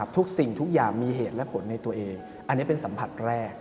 ทุกสิ่งทุกอย่างมีเหตุและผลในตัวเองอันนี้เป็นสัมผัสแรก